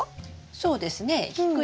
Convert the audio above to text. そうですね。